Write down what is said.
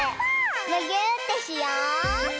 むぎゅーってしよう！